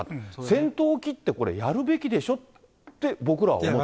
先頭切ってこれ、やるべきでしょって僕らは思う。